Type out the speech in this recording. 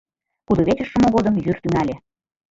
Кудывечыш шумо годым йӱр тӱҥале.